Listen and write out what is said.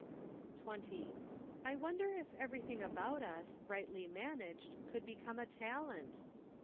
118 OCTOBER. 20. I wonder if everything about us, rightly managed, would become a talent